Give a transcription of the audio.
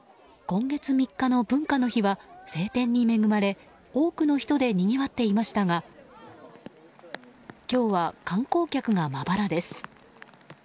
今月３日の文化の日は晴天に恵まれ多くの人でにぎわっていましたが今日は観光客がまばらです。